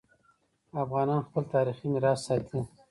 افغانان خپل تاریخي میراث ساتي.